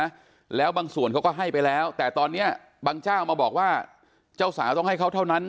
นะแล้วบางส่วนเขาก็ให้ไปแล้วแต่ตอนเนี้ยบางเจ้ามาบอกว่าเจ้าสาวต้องให้เขาเท่านั้น